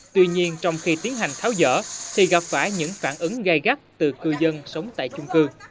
tuy nhiên trong khi tiến hành tháo dở thì gặp phải những phản ứng gây gắt từ cư dân sống tại chung cư